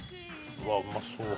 うわっうまそう。